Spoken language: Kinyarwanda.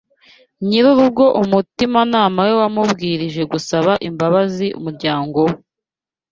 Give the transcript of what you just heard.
nyir’urugo umutimanama we wamubwirije gusaba imbabazi umuryango we